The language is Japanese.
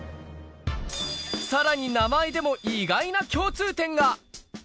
さらに名前でも、意外な共通点が。